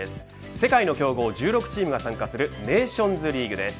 世界の強豪１６チームが参加するネーションズリーグです。